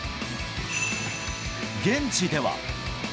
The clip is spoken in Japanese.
現地では。